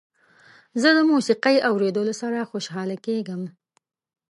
زه د موسيقۍ اوریدلو سره خوشحاله کیږم.